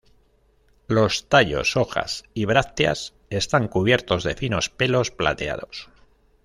Los tallos, hojas y brácteas están cubiertos de finos pelos plateados.